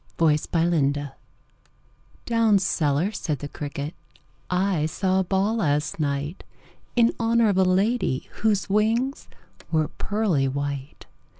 The Potato's Dance "Down cellar," said the cricket, "I saw a ball last night In honor of a lady Whose wings were pearly white.